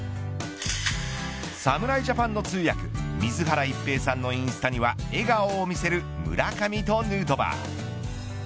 侍ジャパンの通訳水原一平さんのインスタには笑顔を見せる村上とヌートバー。